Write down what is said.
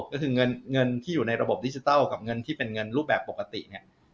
ก็คือเงินที่อยู่ในระบบดิจิทัลกับเงินที่เป็นเงินรูปแบบปกติเนี่ย